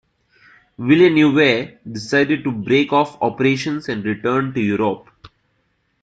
Villeneuve decided to break off operations and return to Europe.